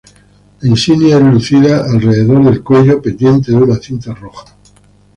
La insignia es lucida alrededor del cuello, pendiente de una cinta roja.